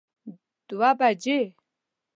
دوه بجی